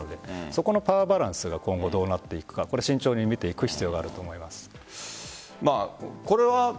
そこのパワーバランスが今後、どうなっていくか慎重に見ていく必要があると思います。